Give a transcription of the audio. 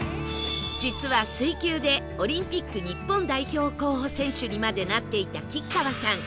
実は水球でオリンピック日本代表候補選手にまでなっていた吉川さん